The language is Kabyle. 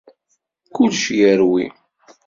Kullec yerwi.